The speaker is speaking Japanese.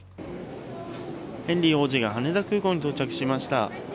ヘンリー王子が羽田空港に到着しました。